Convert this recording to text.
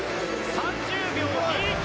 ３０秒２９。